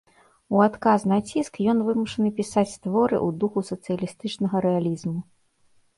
У адказ на ціск ён вымушаны пісаць творы ў духу сацыялістычнага рэалізму.